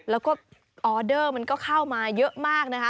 แล้วก็ออเดอร์มันก็เข้ามาเยอะมากนะคะ